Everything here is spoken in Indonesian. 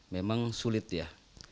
memang sulit ya